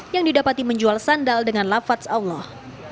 yang didapati menjual sandal dengan lafat allah